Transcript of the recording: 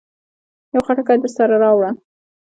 يو خټکی درسره راوړه.